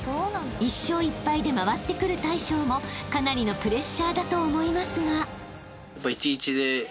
［１勝１敗で回ってくる大将もかなりのプレッシャーだと思いますが］